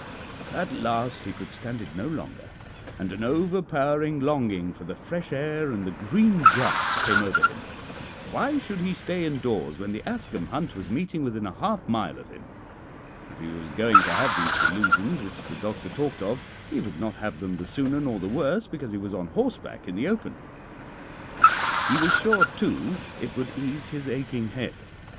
At last he could stand it no longer, and an overpowering longing for the fresh air and the green grass came over him. Why should he stay indoors when the Ascombe Hunt was meeting within half a mile of him? If he was going to have these delusions which the doctor talked of, he would not have them the sooner nor the worse because he was on horseback in the open. He was sure, too, it would ease his aching head.